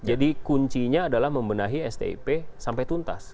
jadi kuncinya adalah membenahi stip sampai tuntas